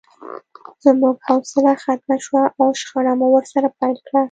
زموږ حوصله ختمه شوه او شخړه مو ورسره پیل کړه